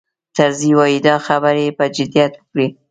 طرزي وایي دا خبرې یې په جدیت وکړې.